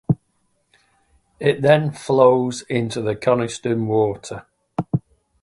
It then flows into the Coniston Water.